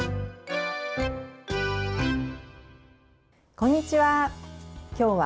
こんにちは。